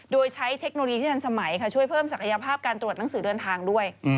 โดยใช้เทคโนโลยีที่ทันสมัยค่ะช่วยเพิ่มศักยภาพการตรวจหนังสือเดินทางด้วย